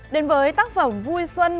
đến với tác phẩm vui xuân